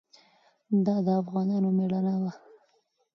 دا د افغانانو مېړانه وه.